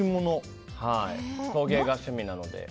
陶芸が趣味なので。